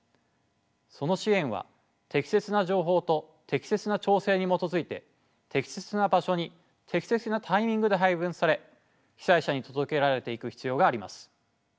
その支援は適切な情報と適切な調整に基づいて適切な場所に適切なタイミングで配分され被災者に届けられていく必要があります。